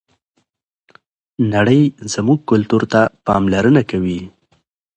نړۍ زموږ کلتور ته پاملرنه کوي.